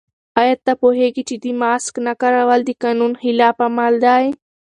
آیا پوهېږئ چې د ماسک نه کارول د قانون خلاف عمل دی؟